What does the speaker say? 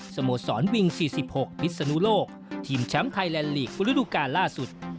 สโมสรวิง๔๖พิศนุโลกทีมแชมป์ไทยแลนด์ลีกฟุฤดูกาลล่าสุด